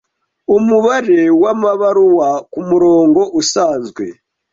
Umubare wamabaruwa kumurongo usanzwe